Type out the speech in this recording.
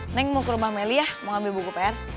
neng mau ke rumah melia mau ambil buku pr